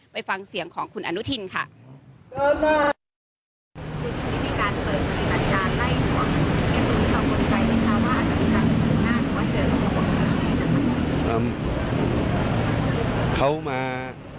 ไปฟังเสียงของคุณอนุทินค่ะ